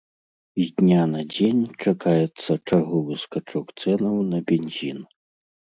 З дня на дзень чакаецца чарговы скачок цэнаў на бензін.